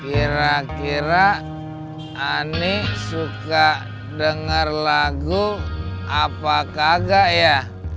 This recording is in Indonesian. kira kira ani suka denger lagu apa kagak ya